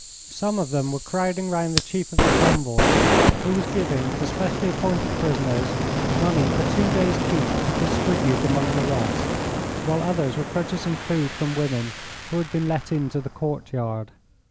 Some of them were crowding round the chief of the convoy, who was giving to specially appointed prisoners money for two days' keep to distribute among the rest, while others were purchasing food from women who had been let into the courtyard.